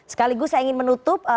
sekaligus saya ingin menutup